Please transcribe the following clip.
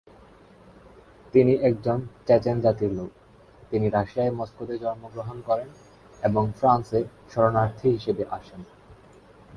তিনি একজন চেচেন জাতির লোক, তিনি রাশিয়ার মস্কোতে জন্মগ্রহণ করেন, এবং ফ্রান্সে শরণার্থী হিসেবে আসেন।